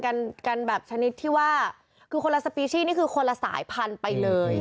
กันกันแบบชนิดที่ว่าคือคนละสปีชี่นี่คือคนละสายพันธุ์ไปเลย